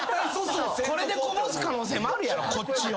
これでこぼす可能性もあるやろこっちを。